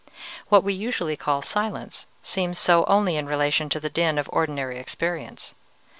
What we usually call silence seems so only in relation to the din of ordinary experience.